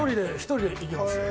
１人で行きます